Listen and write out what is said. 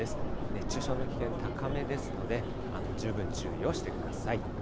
熱中症の危険高めですので、十分注意をしてください。